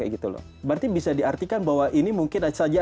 berarti bisa diartikan bahwa ini mungkin saja ada kekuatan